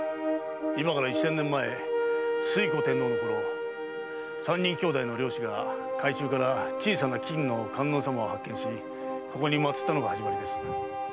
今から千年前推古天皇のころ三人兄弟の漁師が海中から小さな金の観音さまを発見しここに祀ったのが始まりです。